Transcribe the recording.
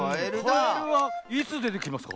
カエルはいつでてきますか？